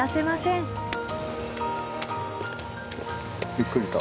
ゆっくりと。